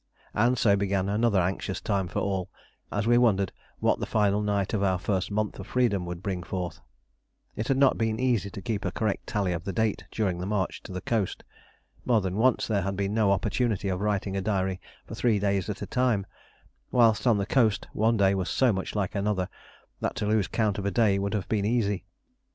And so began another anxious time for all, as we wondered what the final night of our first month of freedom would bring forth. It had not been easy to keep a correct tally of the date during the march to the coast. More than once there had been no opportunity of writing a diary for three days at a time; whilst on the coast one day was so much like another that to lose count of a day would have been easy.